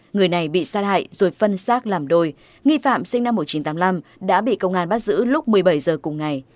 người này bị xa hại rồi phân xác làm đồi nghi phạm sinh năm một nghìn chín trăm tám mươi năm đã bị công an bắt giữ lúc một mươi bảy h cùng ngày